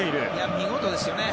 見事ですよね。